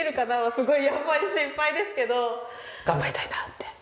すごいやっぱり心配ですけど頑張りたいなって思ってます。